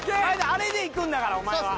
あれでいくんだからお前は。